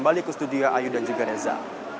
jadi ke studio ayu dan juga reza